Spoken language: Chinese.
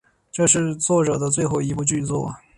这是作者的最后一部剧作。